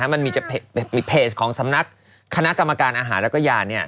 มันมีเพจของสำนักคณะกรรมการอาหารและยา